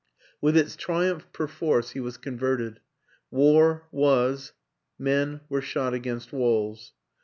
With its tri umph perforce he was converted. War was: men were shot against walls.